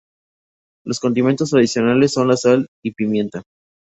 Los condimentos tradicionales son la sal y pimienta.